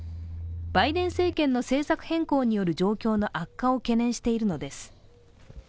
バイデン政権の政策変更による状況の悪化を懸念しているのです。